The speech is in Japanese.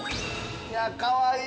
いや、かわいい。